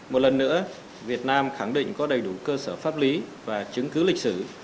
một lần nữa việt nam khẳng định có đầy đủ cơ sở pháp lý và chứng cứ lịch sử